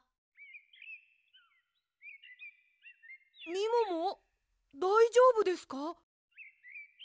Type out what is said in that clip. みももだいじょうぶですか？